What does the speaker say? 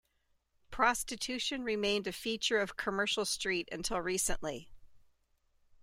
Prostitution remained a feature of Commercial Street until recently.